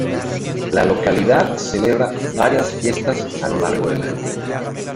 La localidad celebra varias fiestas a lo largo del año.